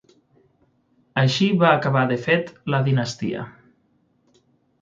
Així va acabar de fet la dinastia.